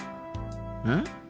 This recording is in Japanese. うん？